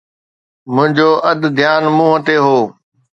منهنجو اڌ ڌيان منهن تي هو.